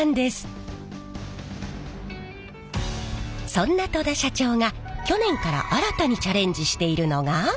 そんな戸田社長が去年から新たにチャレンジしているのが。